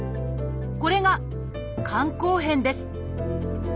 これが「肝硬変」です。